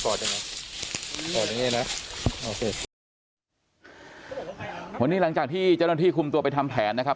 กรอดยังไงโอเควันนี้หลังจากที่เจ้าหน้าที่คุมตัวไปทำแผนนะครับ